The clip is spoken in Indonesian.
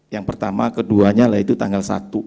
yang pertama keduanya lah itu tanggal satu